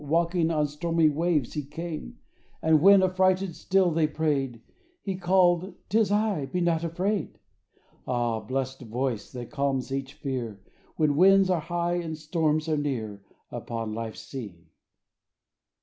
Walking on stormy waves He came. And when, affrighted, still they prayed. He called, 'Tis I! Be not afraid!" Ah! blessed voice that calms each fear, When winds are high and storms are near Upon life's sea.